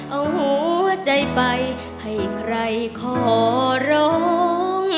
เอาหัวใจไปให้ใครขอร้อง